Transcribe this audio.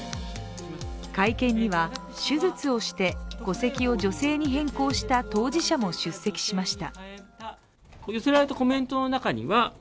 会見には、手術をして戸籍を女性に変更した当事者も出席しました。